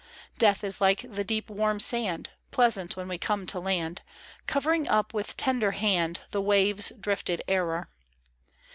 Death is like the deep, warm sand Pleasant when we come to land, Covering up with tender hand The wave's drifted error.